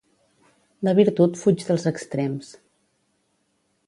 La virtut fuig dels extrems.